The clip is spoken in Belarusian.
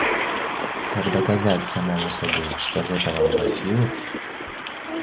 Каб даказаць самому сабе, што гэта вам па сілах?